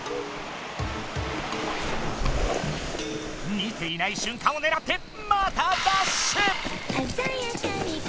見ていないしゅん間をねらってまたダッシュ！